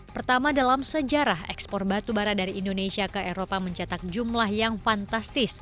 pertama dalam sejarah ekspor batubara dari indonesia ke eropa mencetak jumlah yang fantastis